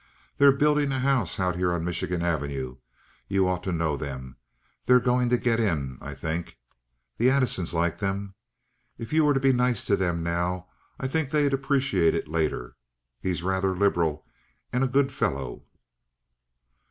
They're building a house out here on Michigan Avenue. You ought to know them. They're going to get in, I think. The Addisons like them. If you were to be nice to them now I think they'd appreciate it later. He's rather liberal, and a good fellow."